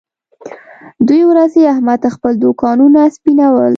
دوه ورځې احمد خپل دوکانونه سپینول.